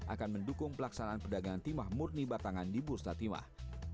akan mendukung pelaksanaan perdagangan timah murni batangan di bursa timah